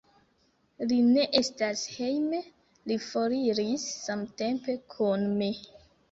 Li ne estas hejme; li foriris samtempe kun mi.